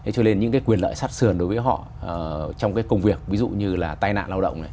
cho nên những quyền lợi sát sườn đối với họ trong công việc ví dụ như là tai nạn lao động